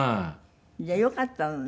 じゃあよかったのね。